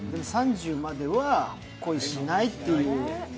３０歳までは恋しないっていう。